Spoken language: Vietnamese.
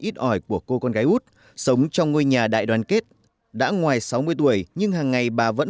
ít ỏi của cô con gái út sống trong ngôi nhà đại đoàn kết đã ngoài sáu mươi tuổi nhưng hàng ngày bà vẫn